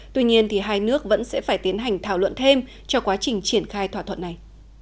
tuy nhiên hai nước vẫn sẽ phải tiến hành thảo luận thêm cho quá trình triển khai thỏa thuận này